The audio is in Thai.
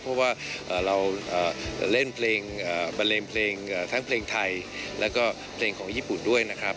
เพราะว่าเราเล่นเพลงบันเลงเพลงทั้งเพลงไทยแล้วก็เพลงของญี่ปุ่นด้วยนะครับ